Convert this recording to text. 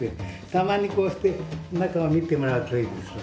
たまにこうして中を見てもらうといいですわ。